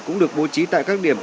cũng được bố trí tại các điểm